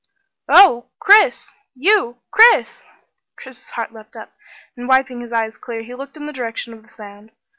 "Oo h Chris! You Chris!" Chris's heart leapt up, and wiping his eyes clear he looked in the direction of the sound.